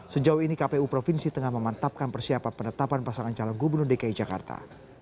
sejauh ini kpu provinsi tengah memantapkan persiapan penetapan pasangan calon gubernur dki jakarta